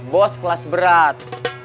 bos kelas berat